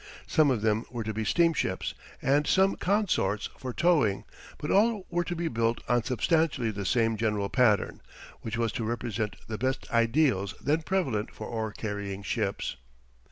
Some of them were to be steamships and some consorts, for towing, but all were to be built on substantially the same general pattern, which was to represent the best ideals then prevalent for ore carrying ships.